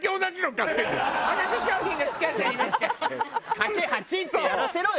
「掛け８」ってやらせろよ！